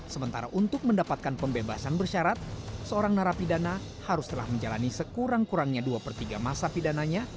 sementara untuk mendapatkan pembebasan bersyarat seorang narapidana harus telah menjalani sekurang kurangnya dua per tiga masa pidananya